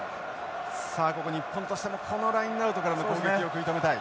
さあここ日本としてもこのラインアウトからの攻撃を食い止めたい。